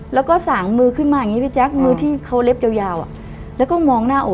แล้วก็สางมือขึ้นมาอย่างนี้พี่แจ๊คมือที่เขาเล็บยาวแล้วก็มองหน้าอก